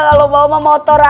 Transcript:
kalau mau mau motor aja